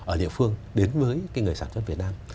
ở địa phương đến với cái người sản xuất việt nam